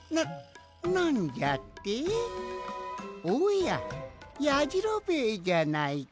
おややじろべえじゃないか。